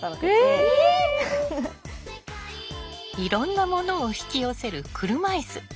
いろんなものを引き寄せる車いす。